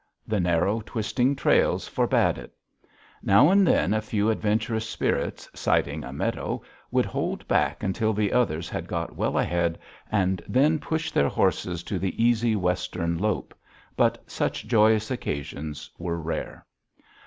The narrow, twisting trails forbade it. Now and then a few adventurous spirits, sighting a meadow, would hold back until the others had got well ahead, and then push their horses to the easy Western lope. But such joyous occasions were rare.